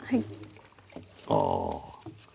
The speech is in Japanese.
ああ。